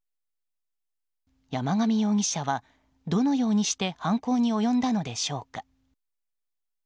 山上容疑者はどのようにして犯行に及んだのでしょうか。